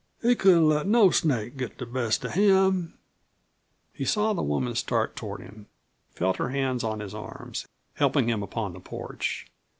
He couldn't let no snake get the best of him." He saw the woman start toward him, felt her hands on his arms, helping him upon the porch.